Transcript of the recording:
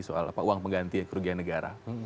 soal uang pengganti kerugian negara